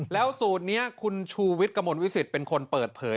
แล้วสูตรนี้คุณชูวิทย์กระมวลวิสิตเป็นคนเปิดเผย